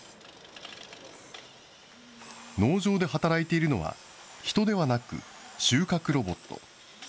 農場で働いているのは人ではなく、収穫ロボット。